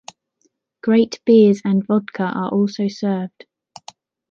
Great beers and vodka are also served.